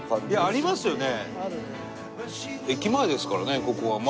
ありますよね。